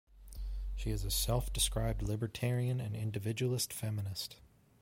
She is a self-described libertarian and individualist feminist.